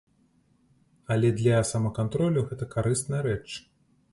Але для самакантролю гэта карысная рэч.